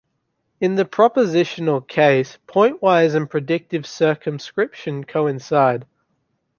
In the propositional case, pointwise and predicate circumscription coincide.